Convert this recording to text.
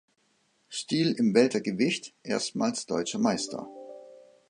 Stil im Weltergewicht erstmals deutscher Meister.